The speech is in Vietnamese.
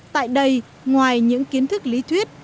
tại đây ngoài những kiến thức lý thuyết